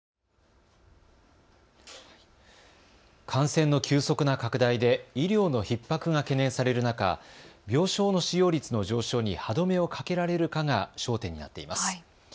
感染の急速な拡大で医療のひっ迫が懸念される中、病床の使用率の上昇に歯止めをかけられるかが焦点になっています。